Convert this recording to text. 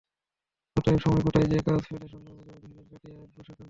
অতএব সময় কোথায় যে, কাজ ফেলে স্বগ্রামে যাব, কিছুদিন কাটিয়ে আসব সেখানটায়।